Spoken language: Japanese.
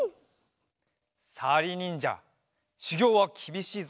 さりにんじゃしゅぎょうはきびしいぞ。